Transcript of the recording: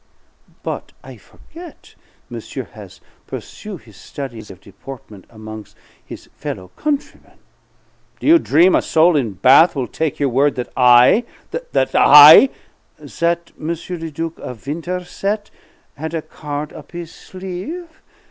But I forget. Monsieur has pursue' his studies of deportment amongs' his fellow countrymen. "Do you dream a soul in Bath will take your word that I that I " "That M. le Duc de Winterset had a card up his sleeve?"